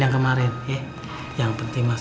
yang kemarin aja kan belum lunas